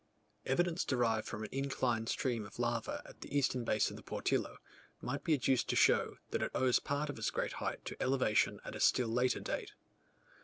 Evidence derived from an inclined stream of lava at the eastern base of the Portillo, might be adduced to show, that it owes part of its great height to elevations of a still later date.